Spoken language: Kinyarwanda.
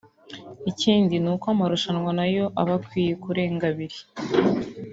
Ikindi ni uko amarushanwa na yo abakwiye kurenga abiri